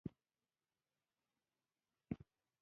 امیر صېب ته ما وې " نن دې ناوخته کړۀ "